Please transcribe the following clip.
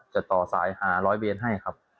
จะต่อสายหาร้อยเวนให้ครับ